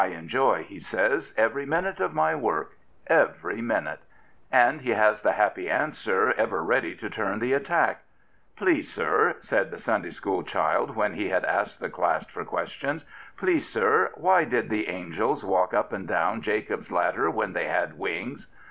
" I enjoy," he says, " every minute of my work, every minute." And he has the happy answer ever ready to turn the attack. " Please, sir," said the Sunday school child when he had asked the class for questions —" please* *F 165 Prophets, Priests, and Kings sir, why did the angels walk up and down Jacob's ladder when they had wings?"